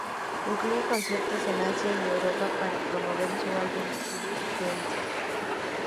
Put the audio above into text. Incluye conciertos en Asia y Europa, para promover su álbum de estudio, "Daydream".